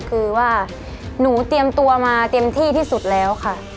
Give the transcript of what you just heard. คือว่าหนูเตรียมตัวมาเต็มที่ที่สุดแล้วค่ะ